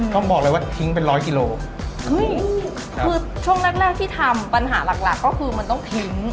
ต้องบอกเลยว่าทิ้งเป็นร้อยกิโลเฮ้ยคือช่วงแรกแรกที่ทำปัญหาหลักหลักก็คือมันต้องทิ้ง